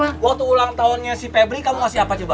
waktu ulang tahunnya si pebri kamu kasih apa coba